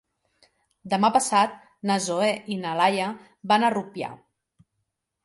Demà passat na Zoè i na Laia van a Rupià.